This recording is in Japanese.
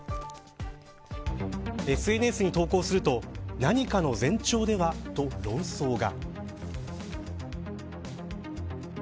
ＳＮＳに投稿すると何かの前兆ではと論争が。